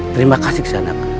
terima kasih kisanak